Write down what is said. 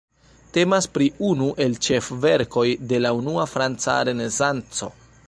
Temas pri unu el ĉefverkoj de la unua franca Renesanco.